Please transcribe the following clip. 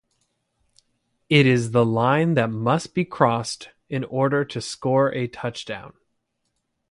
It is the line that must be crossed in order to score a touchdown.